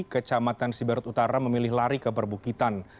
kecamatan siberut utara memilih lari ke perbukitan